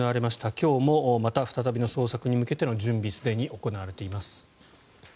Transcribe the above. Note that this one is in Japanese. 今日もまた再びの捜索に向けての準備がすでに行われています。